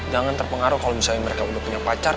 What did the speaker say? jangan terpengaruh kalau misalnya mereka udah punya pacar